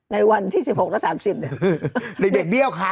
ในวันที่๑๖และ๓๐เนี่ย